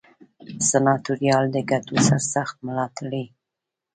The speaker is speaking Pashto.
سناتوریال د ګټو سرسخت ملاتړي وو.